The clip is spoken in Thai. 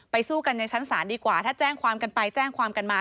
สู้กันในชั้นศาลดีกว่าถ้าแจ้งความกันไปแจ้งความกันมา